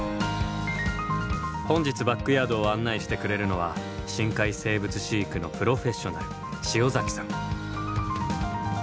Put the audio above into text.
本日バックヤードを案内してくれるのは深海生物飼育のプロフェッショナル塩崎さん。